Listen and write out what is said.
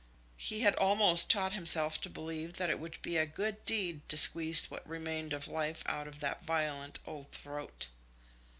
He had almost taught himself to believe that it would be a good deed to squeeze what remained of life out of that violent old throat.